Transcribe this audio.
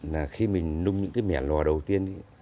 là khi mình nung những cái mẻ lò đầu tiên